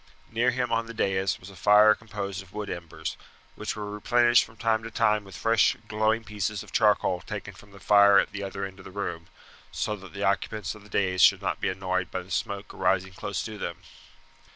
Near him on the dais was a fire composed of wood embers, which were replenished from time to time with fresh glowing pieces of charcoal taken from the fire at the other end of the room, so that the occupants of the dais should not be annoyed by the smoke arising close to them.